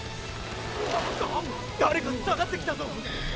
誰か下がってきたぞ！